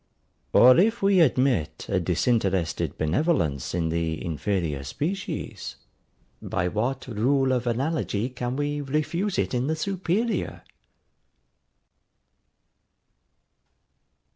Or if we admit a disinterested benevolence in the inferior species, by what rule of analogy can we refuse it in the superior?